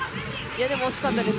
でも惜しかったです。